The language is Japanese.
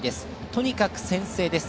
とにかく先制です